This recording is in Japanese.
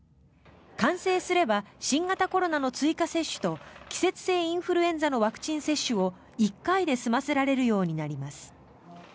完成すれば新型コロナの追加接種と季節性インフルエンザのワクチン接種を１回で済ませられるようになります。